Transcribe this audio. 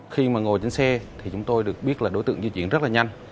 khi mà ngồi trên xe thì chúng tôi được biết là đối tượng di chuyển rất là nhanh